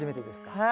はい。